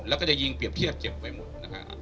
แล้วก็จะยิงเปรียบเทียบเจ็บไปหมดนะฮะ